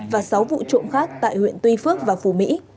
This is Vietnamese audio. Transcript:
và sáu vụ trộm khác tại huyện tuy phước và phù mỹ